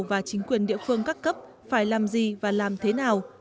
và chính quyền địa phương các cấp phải làm gì và làm thế nào